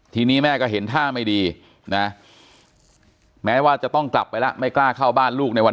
ทีนี้แม่ก็เห็นท่าไม่ดีนะแม้ว่าจะต้องกลับไปแล้วไม่กล้าเข้าบ้านลูกในวัน